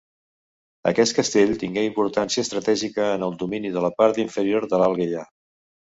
Aquest castell tingué importància estratègica en el domini de la part inferior de l'alt Gaià.